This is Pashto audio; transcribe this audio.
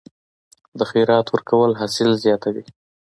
د خیرات ورکول حاصل زیاتوي؟